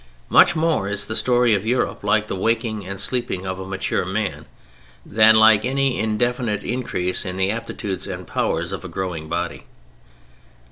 Much more is the story of Europe like the waking and the sleeping of a mature man, than like any indefinite increase in the aptitudes and powers of a growing body.